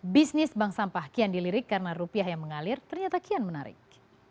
bisnis bank sampah kian dilirik karena rupiah yang mengalir ternyata kian menarik